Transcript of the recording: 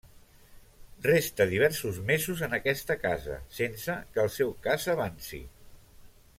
Resta diversos mesos en aquesta casa, sense que el seu cas avanci.